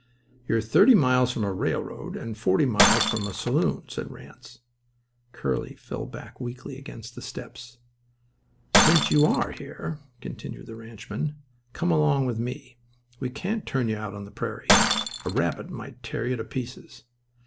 "You're thirty miles from a railroad, and forty miles from a saloon," said Ranse. Curly fell back weakly against the steps. "Since you are here," continued the ranchman, "come along with me. We can't turn you out on the prairie. A rabbit might tear you to pieces."